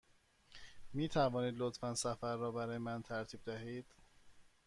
می توانید لطفاً سفر را برای من ترتیب دهید؟